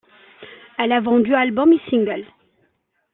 Elle a vendu albums et singles.